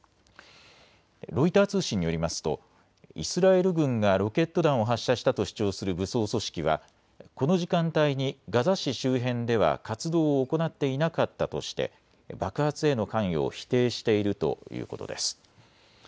ロイター通信によりますとイスラエル軍がロケット弾を発射したと主張する武装組織はこの時間帯にガザ市周辺では活動を行っていなかったとして爆発への関与を否定しているということです。